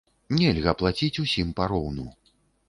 Нельга плаціць усім пароўну.